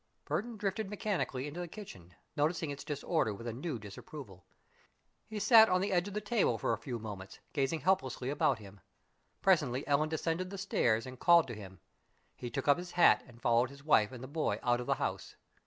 Burton drifted mechanically into the kitchen, noting its disorder with a new disapproval. He sat on the edge of the table for a few moments, gazing helplessly about him. Presently Ellen descended the stairs and called to him. He took up his hat and followed his wife and the boy out of the house.